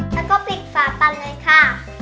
แล้วก็ปิดฝาตันเลยค่ะ